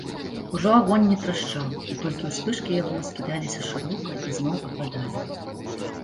Ужо агонь не трашчаў, і толькі ўспышкі яго ўскідаліся шырока і зноў ападалі.